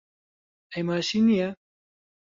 ئەی ماسی نییە؟